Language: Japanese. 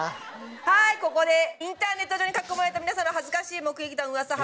はいここでインターネット上に書き込まれた皆さんの恥ずかしい目撃談噂を発表します。